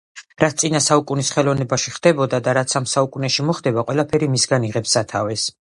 რაც წინა საუკუნის ხელოვნებაში ხდებოდა და რაც ამ საუკუნეში მოხდება, ყველაფერი მისგან იღებს სათავეს.